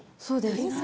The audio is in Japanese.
そうです。